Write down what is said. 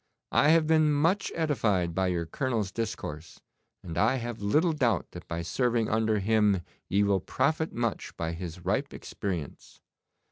'I have been much edified by your Colonel's discourse, and I have little doubt that by serving under him ye will profit much by his ripe experience.